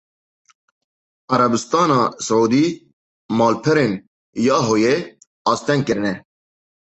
Erebistana Siûdî malperên Yahooyê asteng kirine.